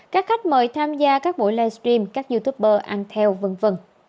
các khách mời tham gia các buổi live stream các youtuber ăn theo v v